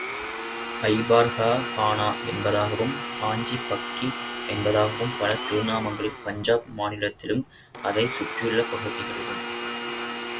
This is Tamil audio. ஜபார்ககானா என்பதாகவும், சாஞ்சி பக்கி என்பதாகவும் பல திருநாமங்களில் பஞ்சாப் மாநிலத்திலும், அதைச் சுற்றியுள்ள பகுதிகளிலும் ஆடப்பட்டு வந்திருக்கிறது.